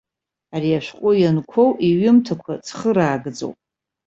Ари ашәҟәы ианқәоу иҩымҭақәа цхыраагӡоуп.